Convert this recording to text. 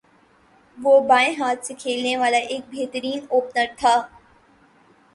وہ بائیں ہاتھ سےکھیلنے والا ایک بہترین اوپنر تھا